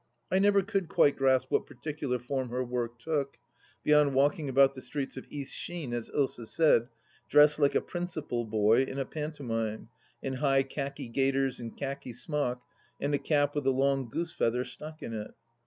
I never could quite grasp what particular form her work took, beyond walking about the streets of Eas* Sheen, as Ilsa said, dressed like a Principal Boy in a panto mime, in high khaki gaiters and khaki smock, and a cap with a long goosefeather stuck in it.